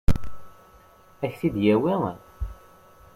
Ad k-t-id-yawi?